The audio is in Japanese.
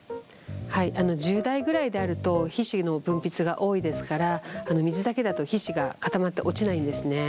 はい１０代ぐらいであると皮脂の分泌が多いですから水だけだと皮脂が固まって落ちないんですね。